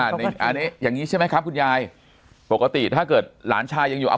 อันนี้อย่างงี้ใช่ไหมครับคุณยายปกติถ้าเกิดหลานชายยังอยู่เอา